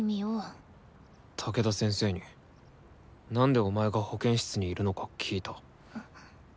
武田先生になんでお前が保健室にいるのか聞いた。